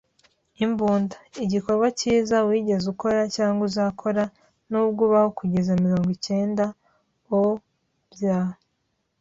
Imbunda - igikorwa cyiza wigeze ukora, cyangwa uzakora, nubwo ubaho kugeza mirongo cyenda. Oh, by